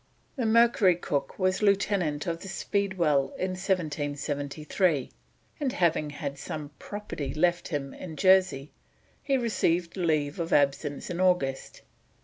The Mercury Cook was lieutenant of the Speedwell in 1773, and having had some property left him in Jersey he received leave of absence in August.